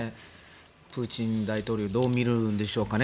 プーチン大統領どう見るんでしょうね